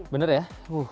benar ya uh